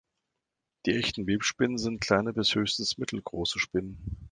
Die Echten Webspinnen sind kleine bis höchstens mittelgroße Spinnen.